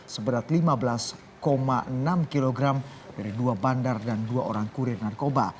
seberat lima belas enam kg dari dua bandar dan dua orang kurir narkoba